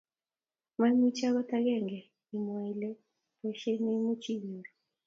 maimuch akot agange imwai ile boisiet nee neimuchi inyoru